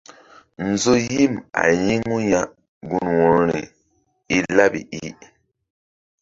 Nzo yim a yi̧ŋu ya gun wo̧rori i laɓi i.